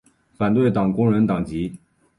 反对党工人党籍。